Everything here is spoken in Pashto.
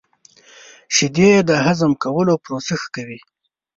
• شیدې د هضم کولو پروسه ښه کوي.